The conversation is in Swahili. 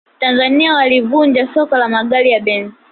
tanzania walivunja soko la magari ya benz